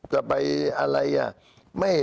จะไปอะไร